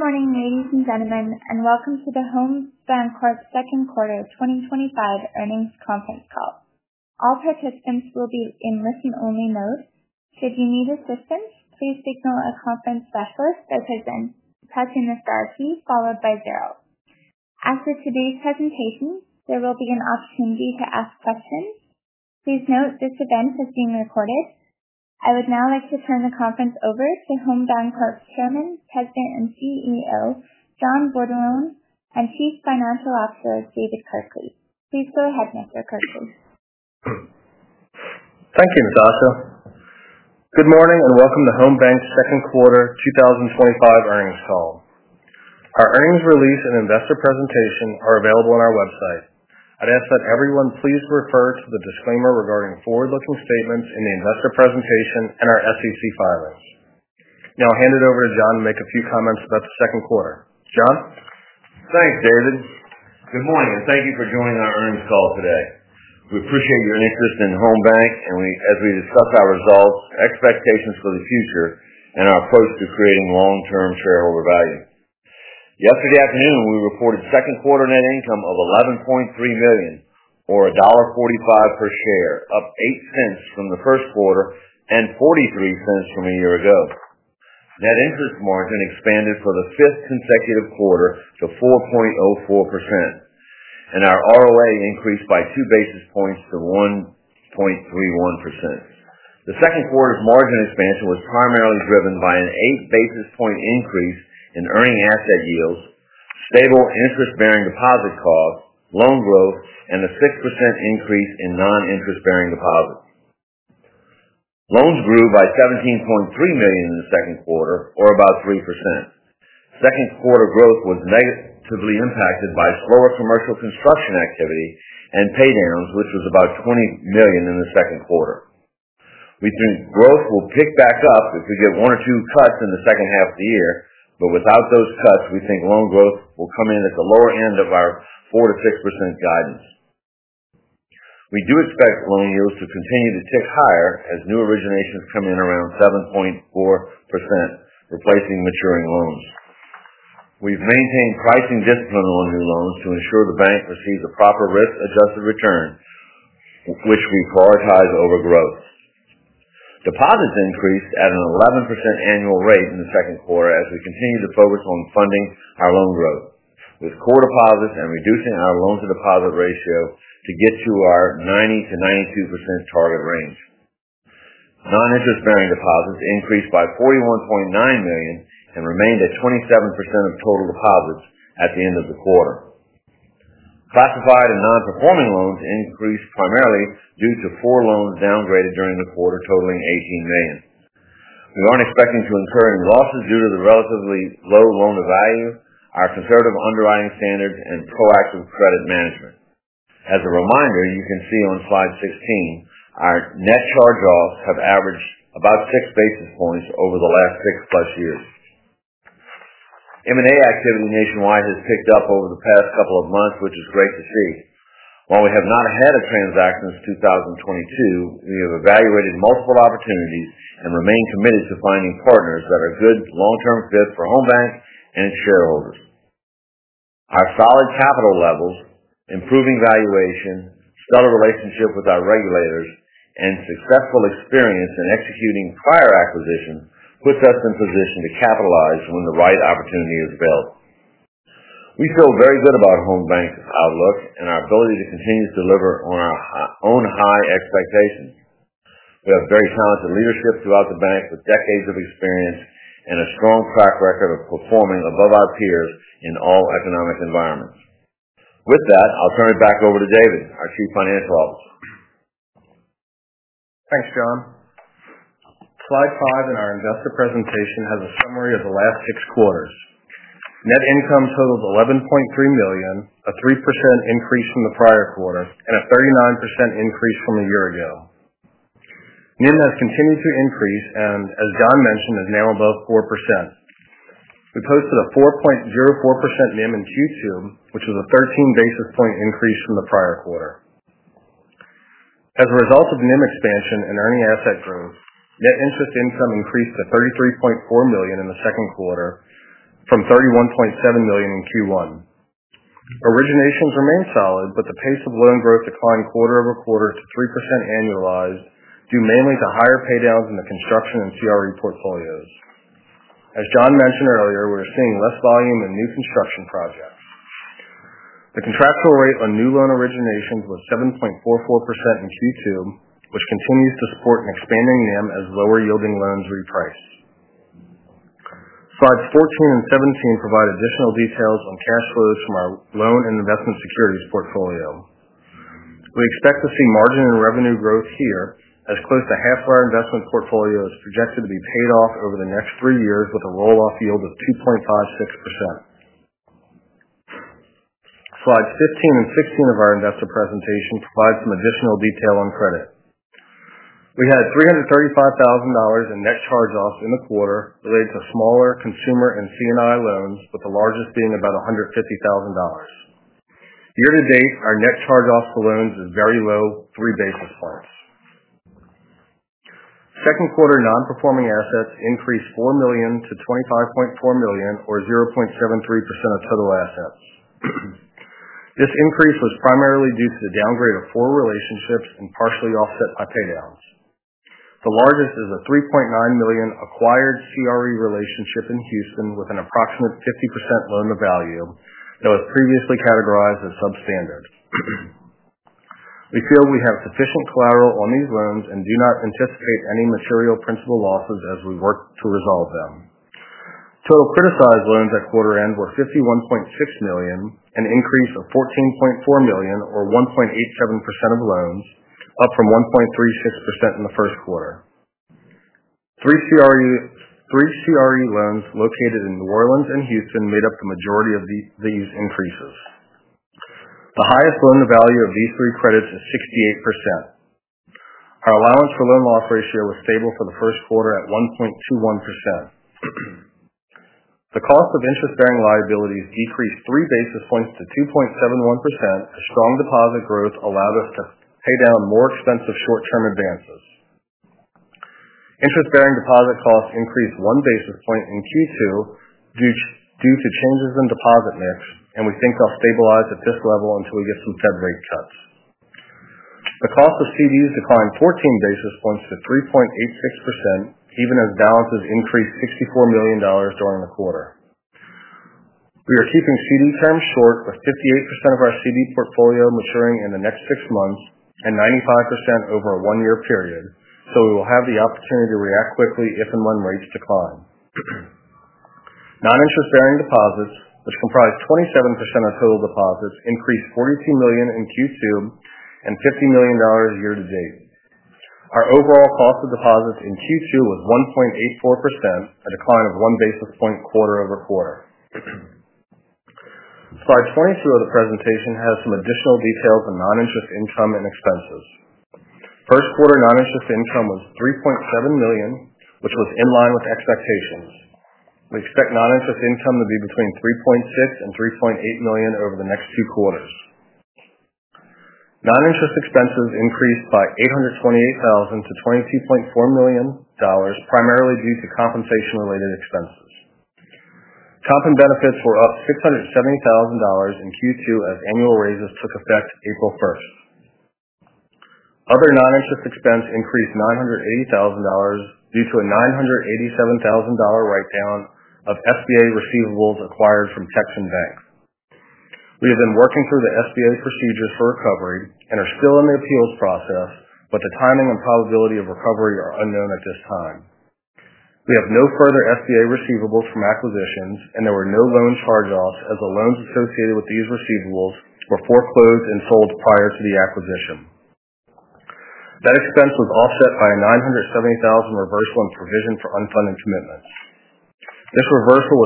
Good morning, ladies and gentlemen, and welcome to the Home Bancorp second quarter 2025 earnings conference call. All participants will be in listen-only mode. Should you need assistance, please signal a conference specialist by pressing the star key followed by zero. After today's presentation, there will be an opportunity to ask questions. Please note this event is being recorded. I would now like to turn the conference over to Home Bancorp's Chairman, President and CEO, John Bordelon, and Chief Financial Officer, David Kirkley. Please go ahead, Mr. Kirkley. Thank you, Ms. Osso. Good morning and welcome to Home Bancorp's second quarter 2025 earnings call. Our earnings release and investor presentation are available on our website. I'd ask that everyone please refer to the disclaimer regarding forward-looking statements in the investor presentation and our SEC filing. Now I'll hand it over to John to make a few comments about the second quarter. John? Thanks, David. Good morning, and thank you for joining our earnings call today. We appreciate your interest in Home Bank as we discuss our results, expectations for the future, and our approach to creating long-term shareholder value. Yesterday afternoon, we reported second quarter net income of $11.3 million, or $1.45 per share, up $0.08 from the first quarter and $0.43 from a year ago. Net interest margin expanded for the fifth consecutive quarter to 4.04%, and our ROA increased by 2 basis points to 1.31%. The second quarter's margin expansion was primarily driven by an 8 basis point increase in earning asset yields, stable interest-bearing deposit costs, loan growth, and a 6% increase in noninterest-bearing deposits. Loans grew by $17.3 million in the second quarter, or about 3%. Second quarter growth was negatively impacted by slower commercial construction activity and paydowns, which was about $20 million in the second quarter. We think growth will pick back up if we get one or two cuts in the second half of the year, but without those cuts, we think loan growth will come in at the lower end of our 4%-6% guidance. We do expect loan yields to continue to tick higher as new originations come in around 7.4%, replacing maturing loans. We've maintained pricing discipline on new loans to ensure the bank receives a proper risk-adjusted return, which we prioritize over growth. Deposits increased at an 11% annual rate in the second quarter as we continue to focus on funding our loan growth with core deposits and reducing our loan-to-deposit ratio to get to our 90%-92% target range. Noninterest-bearing deposits increased by $41.9 million and remained at 27% of total deposits at the end of the quarter. Classified and nonperforming loans increased primarily due to four loans downgraded during the quarter totaling $18 million. We aren't expecting to incur any losses due to the relatively low loan to value, our comparative underwriting standards, and proactive credit management. As a reminder, you can see on slide 16, our net charge-offs have averaged about six basis points over the last 6+ years. M&A activity nationwide has picked up over the past couple of months, which is great to see. While we have not had a transaction since 2022, we have evaluated multiple opportunities and remain committed to finding partners that are a good long-term fit for Home Bank and its shareholders. Our solid capital levels, improving valuation, stellar relationship with our regulators, and successful experience in executing prior acquisitions puts us in position to capitalize when the right opportunity is built. We feel very good about Home Bank's outlook and our ability to continue to deliver on our own high expectations. We have very talented leadership throughout the bank with decades of experience and a strong track record of performing above our peers in all economic environments. With that, I'll turn it back over to David, our Chief Financial Officer. Thanks, John. Slide five in our investor presentation has a summary of the last six quarters. Net income totals $11.3 million, a 3% increase from the prior quarter, and a 39% increase from a year ago. NIM has continued to increase, and as John mentioned, is now above 4%. We posted a 4.04% NIM in Q2, which was a 13 basis point increase from the prior quarter. As a result of NIM expansion and earning asset growth, net interest income increased to $33.4 million in the second quarter from $31.7 million in Q1. Originations remain solid, but the pace of loan growth declined quarter over quarter to 3% annualized, due mainly to higher paydowns in the construction and CRE portfolios. As John mentioned earlier, we're seeing less volume in new construction projects. The contractual rate on new loan originations was 7.44% in Q2, which continues to support an expanding NIM as lower yielding loans reprice. Slides 14 and 17 provide additional details on cash flows from our loan and investment securities portfolio. We expect to see margin and revenue growth here, as close to half of our investment portfolio is projected to be paid off over the next three years with a roll-off yield of 2.56%. Slides 15 and 16 of our investor presentation provide some additional detail on credit. We had $335,000 in net charge-offs in the quarter related to smaller consumer and C&I loans, with the largest being about $150,000. Year to date, our net charge-offs for loans is very low, three basis points. Second quarter nonperforming assets increased $4 million to $25.4 million, or 0.73% of total assets. This increase was primarily due to the downgrade of four relationships and partially offset by paydowns. The largest is a $3.9 million acquired CRE relationship in Houston with an approximate 50% loan to value that was previously categorized as substandard. We feel we have sufficient collateral on these loans and do not anticipate any material principal losses as we work to resolve them. Total criticized loans at quarter end were $51.6 million, an increase of $14.4 million, or 1.87% of loans, up from 1.36% in the first quarter. Three CRE loans located in New Orleans and Houston made up the majority of these increases. The highest loan to value of these three credits is 68%. Our allowance for loan loss ratio was stable for the first quarter at 1.21%. The cost of interest-bearing liabilities decreased 3 basis points to 2.71%, as strong deposit growth allowed us to pay down more expensive short-term advances. Interest-bearing deposit costs increased 1 basis point in Q2 due to changes in deposit mix, and we think they'll stabilize at this level until we get some Fed rate cuts. The cost of CDs declined 14 basis points to 3.86%, even as balances increased $64 million during the quarter. We are keeping CD terms short with 58% of our CD portfolio maturing in the next six months and 95% over a one-year period, so we will have the opportunity to react quickly if and when rates decline. Noninterest-bearing deposits, which comprise 27% of total deposits, increased $42 million in Q2 and $50 million year to date. Our overall cost of deposits in Q2 was 1.84%, a decline of one basis point quarter over quarter. Slide 22 of the presentation has some additional details on noninterest income and expenses. First quarter noninterest income was $3.7 million, which was in line with expectations. We expect noninterest income to be between $3.6 and $3.8 million over the next two quarters. Noninterest expenses increased by $828,000 to $22.4 million, primarily due to compensation-related expenses. Comp and benefits were up $670,000 in Q2 as annual raises took effect April 1. Other noninterest expense increased $980,000 due to a $987,000 write-down of SBA receivables acquired from Texan Bank. We have been working through the SBA procedure for recovery and are still in the appeals process, but the timing and probability of recovery are unknown at this time. We have no further SBA receivables from acquisitions, and there were no loan charge-offs as the loans associated with these receivables were foreclosed and sold prior to the acquisition. That expense was offset by a $970,000 reversal in provision for unfunded commitments. This reversal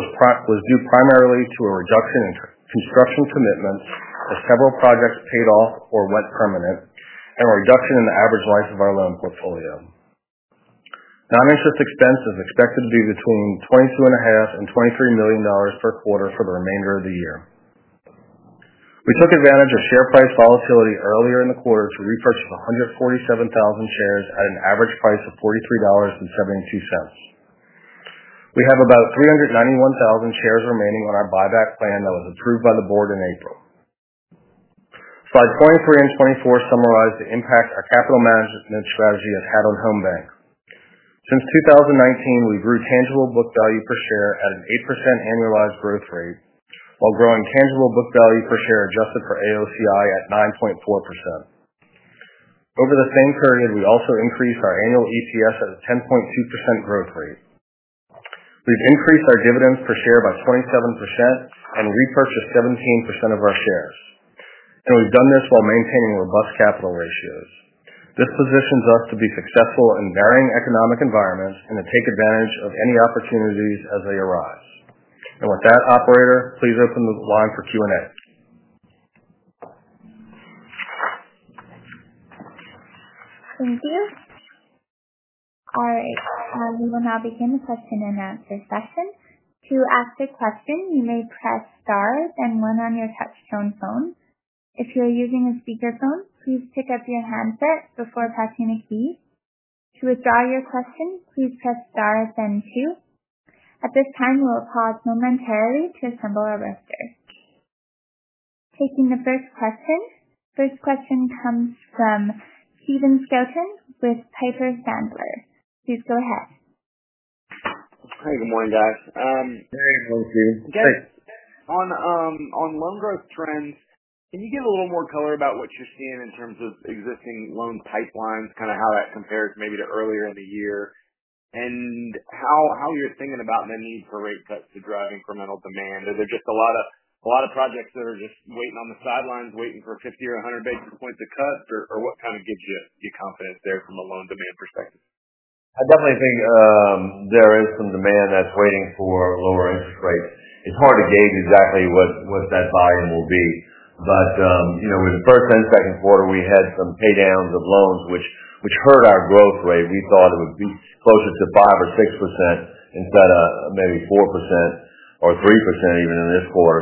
was due primarily to a reduction in construction commitments as several projects paid off or went permanent and a reduction in the average life of our loan portfolio. Noninterest expenses are expected to be between $22.5 million and $23 million per quarter for the remainder of the year. We took advantage of share price volatility earlier in the quarter to repurchase 147,000 shares at an average price of $43.72. We have about 391,000 shares remaining on our buyback plan that was approved by the board in April. Slides 23 and 24 summarize the impact our capital management strategy has had on Home Bank. Since 2019, we grew tangible book value per share at an 8% annualized growth rate, while growing tangible book value per share adjusted for AOCI at 9.4%. Over the same period, we also increased our annual EPS at a 10.2% growth rate. We've increased our dividends per share by 0.7% and repurchased 17% of our shares. We have done this while maintaining robust capital ratios. This positions us to be successful in varying economic environments and to take advantage of any opportunities as they arise. With that, operator, please open the line for Q&A. Thank you. All right. We will now begin the question and answer session. To ask a question, you may press star then one on your touch-tone phone. If you're using a speakerphone, please pick up your handset before pressing a key. To withdraw your question, please press star then two. At this time, we'll pause momentarily to assemble our rosters. The first question comes from Stephen Scouten with Piper Sandler. Please go ahead. Hi, good morning, guys. Hey, welcome to you. On loan growth trends, can you give a little more color about what you're seeing in terms of existing loan pipelines, kind of how that compares maybe to earlier in the year, and how you're thinking about the need for rate cuts to drive incremental demand? Is it just a lot of projects that are just waiting on the sidelines, waiting for 50 basis points or 100 basis points to cut, or what kind of gives you confidence there from a loan demand perspective? I definitely think there is some demand that's waiting for lower interest rates. It's hard to gauge exactly what that volume will be. In the first and second quarter, we had some paydowns of loans, which hurt our growth rate. We thought it would be closer to 5% or 6% instead of maybe 4% or 3% even in this quarter.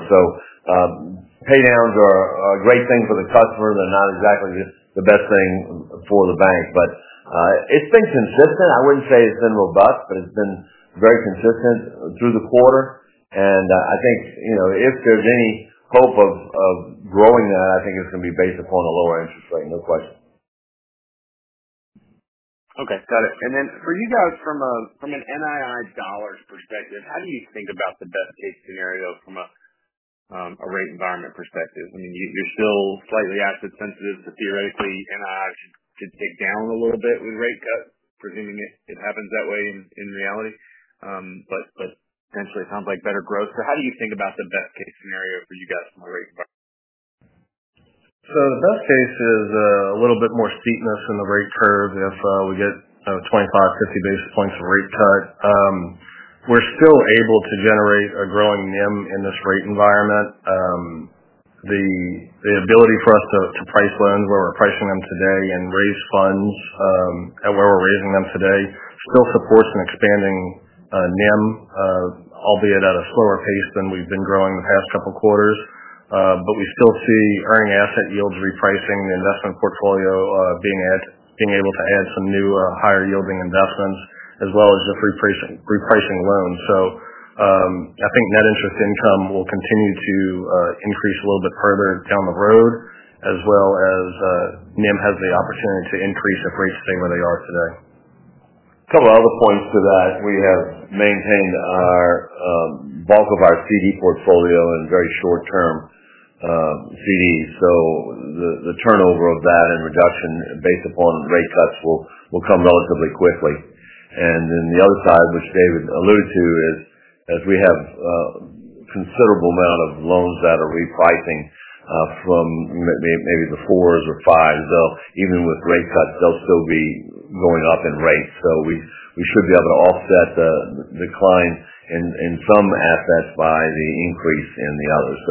Paydowns are a great thing for the customer. They're not exactly the best thing for the bank. It's been consistent. I wouldn't say it's been robust, but it's been very consistent through the quarter. I think if there's any hope of growing that, I think it's going to be based upon a lower interest rate, no question. Okay, got it. For you guys, from an NII dollars perspective, how do you think about the best-case scenario from a rate environment perspective? You're still slightly asset-sensitive, so theoretically, NII should tick down a little bit when rate cuts, presuming it happens that way in reality. Potentially, it sounds like better growth. How do you think about the best-case scenario for you guys from a rate environment? The best case is a little bit more steepness in the rate curve if we get 25 basis points, 50 basis points of rate cuts. We're still able to generate a growing NIM in this rate environment. The ability for us to price loans where we're pricing them today and raise funds at where we're raising them today still supports an expanding NIM, albeit at a slower pace than we've been growing the past couple of quarters. We still see earning asset yields repricing, the investment portfolio being able to add some new higher yielding investments, as well as just repricing loans. I think net interest income will continue to increase a little bit further down the road, as well as NIM has the opportunity to increase if rates stay where they are today. A couple of other points to that is we have maintained our bulk of our CD portfolio in very short-term CDs. The turnover of that and reduction based upon rate cuts will come relatively quickly. The other side, which David alluded to, is as we have a considerable amount of loans that are repricing from maybe the fours or fives, though even with rate cuts, they'll still be going up in rates. We should be able to offset the decline in some assets by the increase in the others.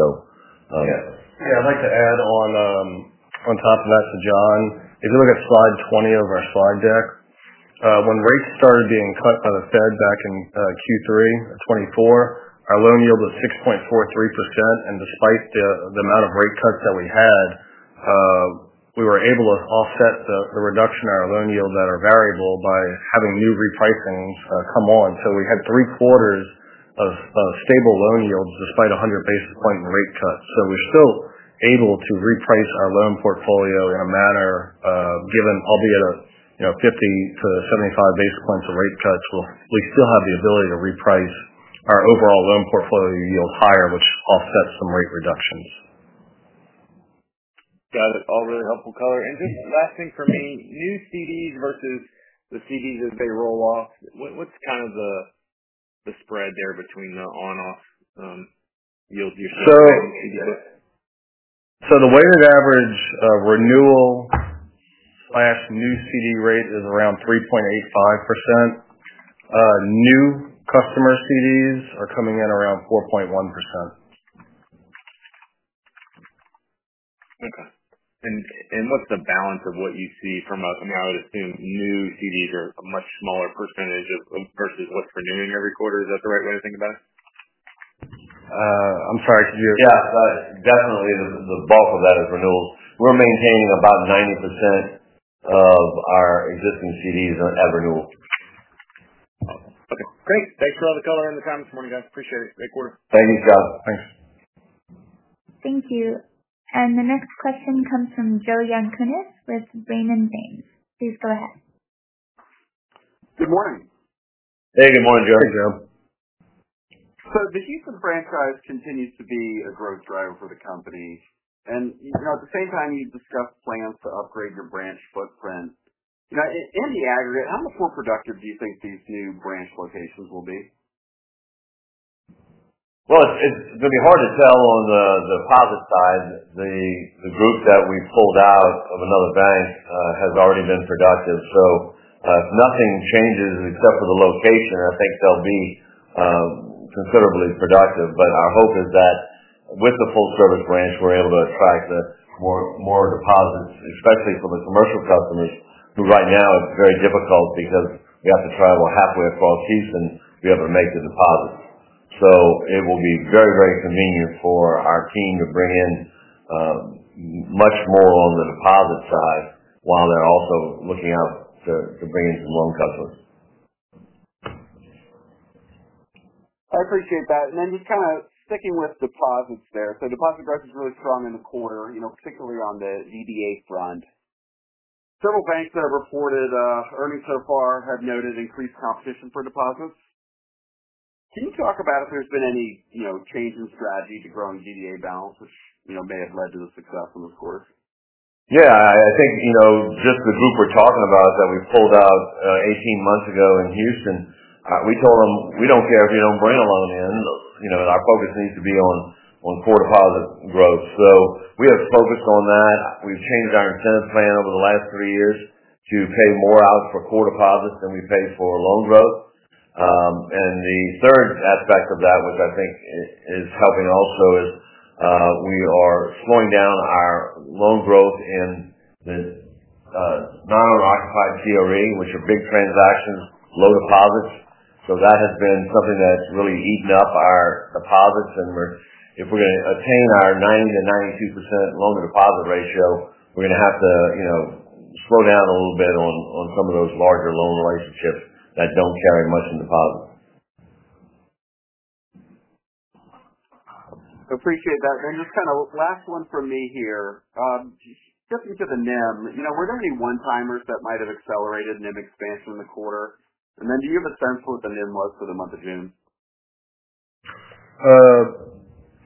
Yeah, I'd like to add on top of that to John. If you look at slide 20 of our slide deck, when rates started being cut by the Fed back in Q3 of 2024, our loan yield was 6.43%. Despite the amount of rate cuts that we had, we were able to offset the reduction in our loan yield that are variable by having new repricings come on. We had three quarters of stable loan yields despite 100 basis points in rate cuts. We're still able to reprice our loan portfolio in a manner, given albeit a 50-75 basis points of rate cuts. We still have the ability to reprice our overall loan portfolio yield higher, which offsets some rate reductions. Got it. All very helpful color. Just last thing for me, new CDs versus the CDs as they roll off, what's kind of the spread there between the on-off yields you see? The weighted average renewal/new CD rate is around 3.85%. New customer CDs are coming in around 4.1%. Okay. What's the balance of what you see from a, I mean, I would assume new CDs are a much smaller percentage versus what's renewing every quarter. Is that the right way to think about it? I'm sorry to hear that. Yeah, definitely the bulk of that is renewal. We're maintaining about 90% of our existing CDs at renewal. Okay, great. Thanks for all the color and the time this morning, guys. Appreciate it. Great quarter. Thank you, Scouten. Thanks. Thank you. The next question comes from Joe Yanchunis with Raymond James. Please go ahead. Good morning. Hey, good morning, Joe. Hey, Joe. The Houston franchise continues to be a growth driver for the company, and at the same time, you discussed plans to upgrade your branch footprint. In the aggregate, how much more productive do you think these new branch locations will be? It's going to be hard to tell on the deposit side. The group that we pulled out of another bank has already been productive. If nothing changes except for the location, I think they'll be considerably productive. Our hope is that with the full-service branch, we're able to attract more deposits, especially from the commercial customers, who right now are very difficult because we have to travel halfway across Houston to be able to make the deposit. It will be very, very convenient for our team to bring in much more on the deposit side while they're also looking out to bring in some loan customers. I appreciate that. Just kind of sticking with deposits there, deposit growth is really strong in the quarter, particularly on the EDA front. Several banks that have reported earnings so far have noted increased competition for deposits. Can you talk about if there's been any change in strategy to growing EDA balance that may have led to the success of this quarter? Yeah, I think you know just the group we're talking about that we pulled out 18 months ago in Houston. We told them we don't care if you don't bring a loan in. You know our focus needs to be on core deposit growth. We have focused on that. We've changed our incentive plan over the last three years to pay more out for core deposits than we pay for loan growth. The third aspect of that, which I think is helping also, is we are slowing down our loan growth in the non-occupied CRE, which are big transactions, low deposits. That has been something that's really eaten up our deposits. If we're going to attain our 90%-92% loan-to-deposit ratio, we're going to have to slow down a little bit on some of those larger loan relationships that don't carry much in deposit. I appreciate that. Just kind of the last one for me here, shifting to the NIM. You know, were there any one-timers that might have accelerated NIM expansion in the quarter? Do you have a sense of what the NIM was for the month of June?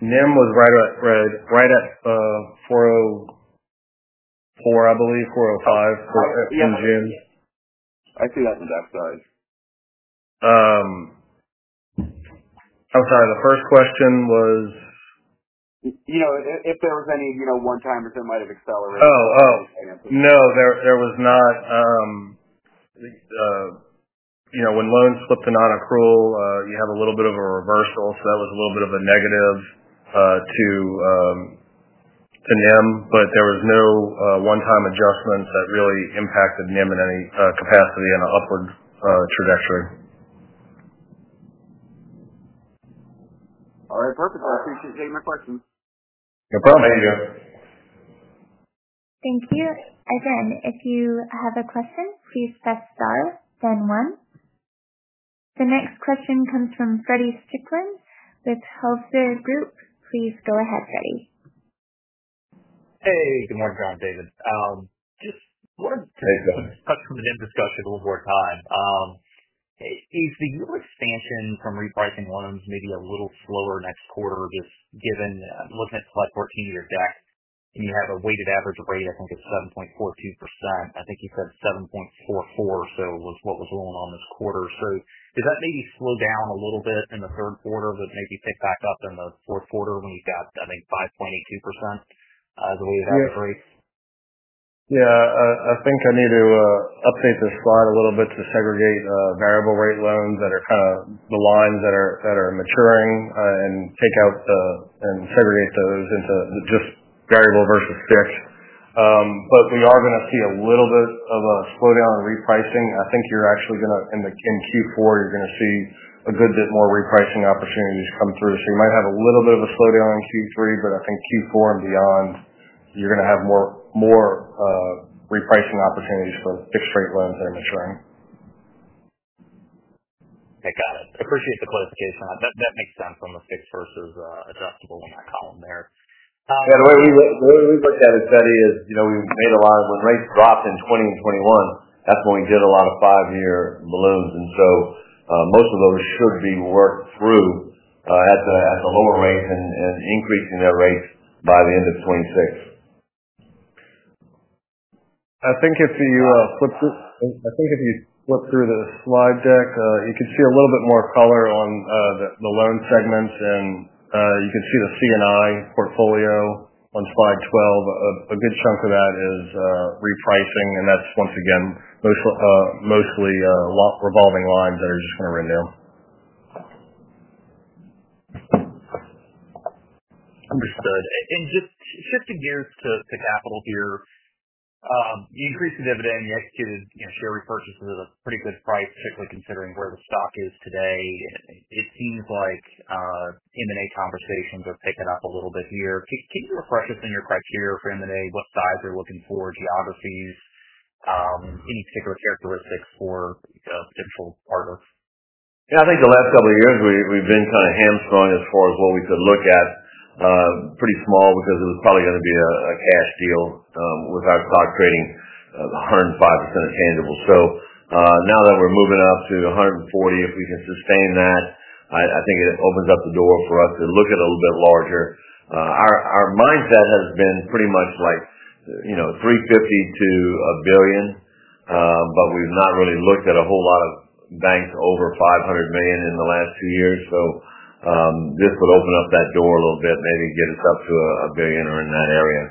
NIM was right at 404, I believe, 405 in June. I see that stuff, guys. I'm sorry. The first question was? You know if there was any one-timers that might have accelerated. No, there was not. You know when loans slip to non-accrual, you have a little bit of a reversal. That was a little bit of a negative to NIM. There was no one-time adjustments that really impacted NIM in any capacity in the upward trajectory. All right, perfect. I appreciate you taking my question. No problem. Joe. Thank you. Again, if you have a question, please press star then one. The next question comes from Feddie Strickland with Hovde Group. Please go ahead, Feddie. Hey, good morning, John, David. I just wanted to check, I'm coming in to discuss a little more time. Is the new expansion from repricing loans maybe a little slower next quarter, just given I'm looking at slide 14 of your deck, and you have a weighted average rate, I think it's 7.42%. I think you said 7.44%, so it was what was going on this quarter. Does that maybe slow down a little bit in the third quarter, but maybe pick back up in the fourth quarter when you've got, I think, 5.82%? Yeah, I think I need to update this slide a little bit to segregate variable rate loans that are kind of the lines that are maturing and take out and segregate those into just variable versus fixed. We are going to see a little bit of a slowdown in repricing. I think you're actually going to, in Q4, you're going to see a good bit more repricing opportunities come through. You might have a little bit of a slowdown in Q3, but I think Q4 and beyond, you're going to have more repricing opportunities for fixed-rate loans that are maturing. I got it. I appreciate the clarification. That makes sense on the fixed versus adjustable on that column there. Yeah, the way we looked at it, Feddie, is you know we made a lot of rate drops in 2020 and 2021. That's when we did a lot of five-year balloons. Most of those should be worked through at the lower rates and increasing their rates by the end of 2026. If you flip through the slide deck, you can see a little bit more color on the loan segments. You can see the C&I portfolio on slide 12. A good chunk of that is repricing, and that's once again mostly revolving lines that are just going to renew. Understood. Just shifting gears to capital here, you increase the dividend, you execute share repurchases at a pretty good price, particularly considering where the stock is today. It seems like M&A conversations are picking up a little bit here. Can you refresh us on your criteria for M&A? What size are you looking for, geographies, any particular characteristics for potential partners? Yeah, I think the last couple of years we've been kind of hamstrung as far as what we could look at. Pretty small because it was probably going to be a cash deal without stock trading at 105% of tangibles. Now that we're moving up to 140%, if we can sustain that, I think it opens up the door for us to look at a little bit larger. Our mindset has been pretty much like $350 million to $1 billion, but we've not really looked at a whole lot of banks over $500 million in the last few years. This would open up that door a little bit, maybe get us up to $1 billion or in that area.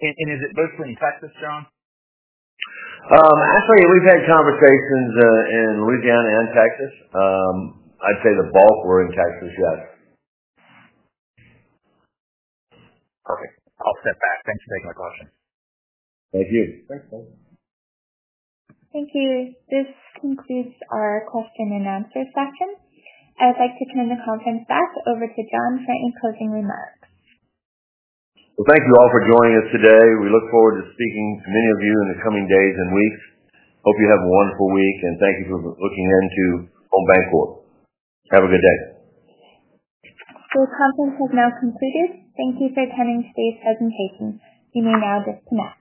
Is it mostly in Texas, John? I'll tell you, we've had conversations in Louisiana and Texas. I'd say the bulk were in Texas, yes. Perfect. I'll step back. Thanks for taking my question. Thank you. Thanks, folks. Thank you. This concludes our closed-community announcement section. I would like to turn the conference back over to John for any closing remarks. Thank you all for joining us today. We look forward to speaking to many of you in the coming days and weeks. Hope you have a wonderful week, and thank you for looking into Home Bancorp. Have a good day. full conference has now concluded. Thank you for attending today's presentation. You may now disconnect.